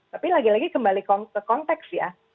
tapi lagi lagi kembali ke konteks ya